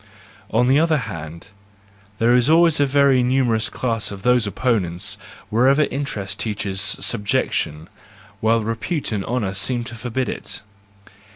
On the other hand, there is always a very numerous class of those opponents wherever interest teaches subjection, while repute and honour seem to forbid it.